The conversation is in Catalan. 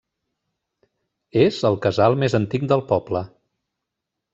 És el casal més antic del poble.